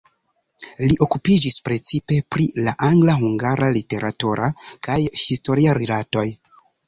Li okupiĝis precipe pri la angla-hungara literatura kaj historia rilatoj.